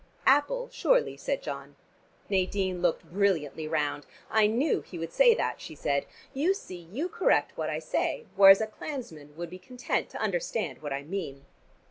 "Apple, surely," said John. Nadine looked brilliantly round. "I knew he would say that," she said. "You see you correct what I say, whereas a clansman would be content to understand what I mean."